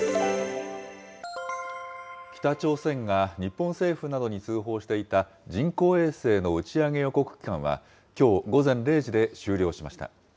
北朝鮮が日本政府などに通報していた人工衛星の打ち上げ予告期間は、きょう午前０時で終了しました。